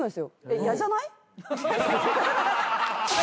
嫌じゃない？